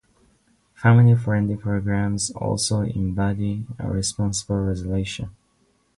Family friendly programs also embody a responsible resolution.